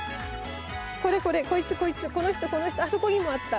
これこれこいつこいつこの人この人あそこにもあった。